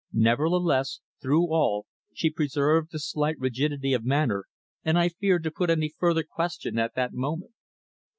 Nevertheless, through all, she preserved a slight rigidity of manner, and I feared to put any further question at that moment.